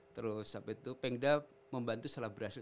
terus siapa itu pengda membantu setelah berhasil